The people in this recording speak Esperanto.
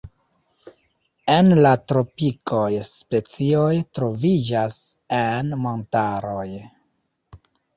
En la tropikoj specioj troviĝas en montaroj.